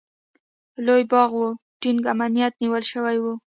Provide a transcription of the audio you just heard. لوی باغ و، ټینګ امنیت نیول شوی و.